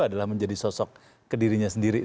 adalah menjadi sosok ke dirinya sendiri